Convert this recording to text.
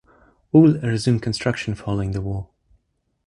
Uhl resumed construction following the war.